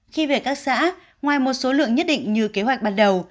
khi về các xã ngoài một số lượng nhất định như kế hoạch ban đầu